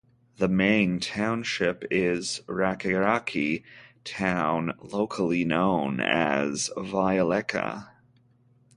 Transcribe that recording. The main township is Rakiraki town locally known as Vaileka.